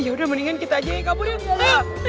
ya udah mendingan kita aja yang kaburin